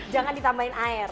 jangan ditambahin air